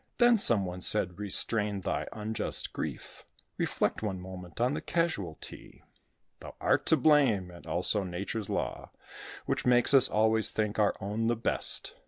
Then some one said, "Restrain thy unjust grief; Reflect one moment on the casualty. Thou art to blame, and also Nature's law, Which makes us always think our own the best.